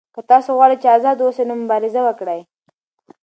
که تاسو غواړئ چې آزاد اوسئ نو مبارزه وکړئ.